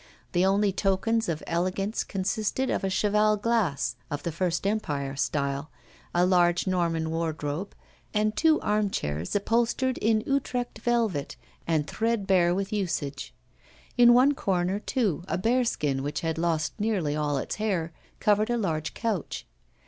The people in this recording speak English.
The only tokens of elegance consisted of a cheval glass, of the First Empire style, a large Norman wardrobe, and two arm chairs upholstered in Utrecht velvet, and threadbare with usage. In one corner, too, a bearskin which had lost nearly all its hair covered a large couch.